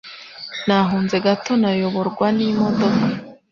Nahunze gato nayoborwa n'imodoka